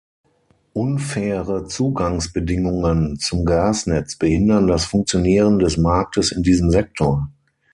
Unfaire Zugangsbedingungen zum Gasnetz behindern das Funktionieren des Marktes in diesem Sektor.